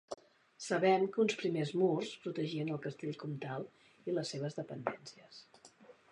Sabem que uns primers murs protegien el castell comtal i les seves dependències.